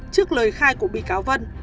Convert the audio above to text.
trước lời khai của bị cáo vân